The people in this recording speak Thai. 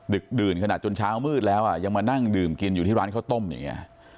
ดึกดื่นขนาดจนเช้ามืดแล้วอ่ะยังมานั่งดื่มกินอยู่ที่ร้านข้าวต้มอย่างนี้